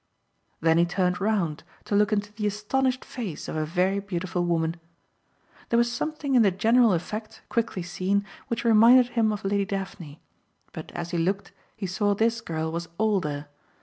Then he turned round to look into the astonished face of a very beautiful woman. There was something in the general effect, quickly seen, which reminded him of Lady Daphne; but as he looked he saw this girl was older.